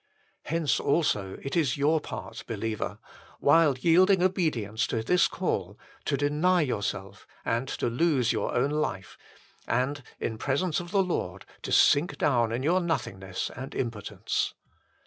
Hence also it is your part, be liever, while yielding obedience to this call, to deny yourself, and to lose your own life, and in presence of the Lord to sink down in your nothingness and impotence.